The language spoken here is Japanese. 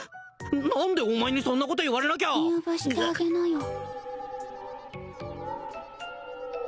何でお前にそんなこと言われなきゃ入部してあげなよ